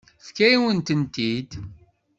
Tefka-yawen-tent-id.